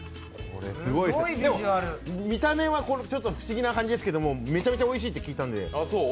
見た目は、ちょっと不思議な感じですけどめちゃめちゃおいしいって聞いたんで。